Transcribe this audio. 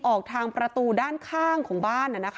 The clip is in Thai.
ออกทางประตูด้านข้างของบ้าน